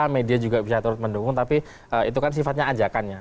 media juga bisa terus mendukung tapi itu kan sifatnya ajakannya